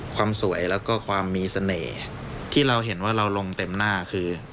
ความสวยแล้วก็ความมีเสน่ห์ที่เราเห็นว่าเราลงเต็มหน้าคือ